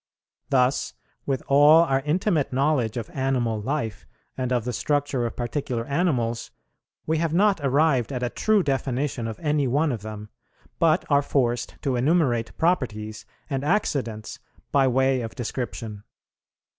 Thus, with all our intimate knowledge of animal life and of the structure of particular animals, we have not arrived at a true definition of any one of them, but are forced to enumerate properties and accidents by way of description.